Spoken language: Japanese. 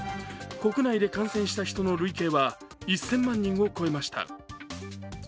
国内で感染した人の累計は１０００万人を超えました。